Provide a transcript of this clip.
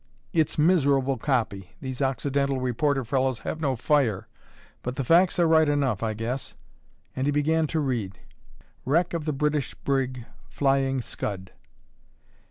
"It's miserable copy; these Occidental reporter fellows have no fire; but the facts are right enough, I guess." And he began to read: "WRECK OF THE BRITISH BRIG, 'FLYING SCUD.'